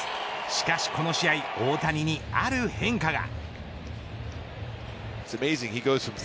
しかし、この試合大谷にある変化が。